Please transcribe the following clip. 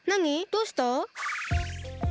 どうした？